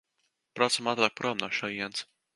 Braucam ātrāk prom no šejienes!